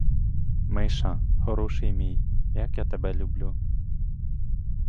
Миша, хороший мій, як я тебе люблю.